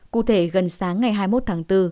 cụ thể gần sáng ngày hai mươi một tháng bốn